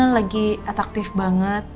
lagi atraktif banget